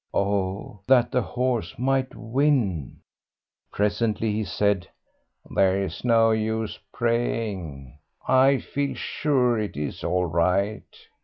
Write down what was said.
Oh, that the horse might win! Presently he said, "There's no use praying, I feel sure it is all right.